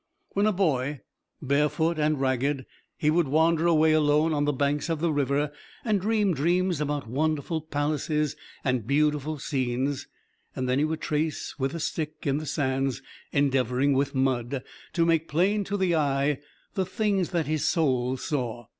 When a boy, barefoot and ragged, he would wander away alone on the banks of the river and dream dreams about wonderful palaces and beautiful scenes; and then he would trace with a stick in the sands, endeavoring, with mud, to make plain to the eye the things that his soul saw.